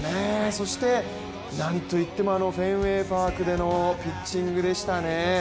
そしてなんといってもフェンウェイ・パークでのピッチングでしたね。